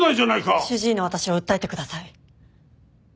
主治医の私を訴えてください。